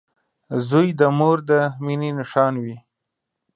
• زوی د مور د مینې نښان وي.